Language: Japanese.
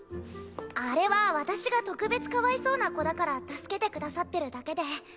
あれは私が特別かわいそうな子だから助けてくださってるだけで。